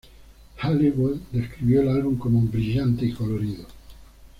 Halliwell describió el álbum cómo "brillante y colorido".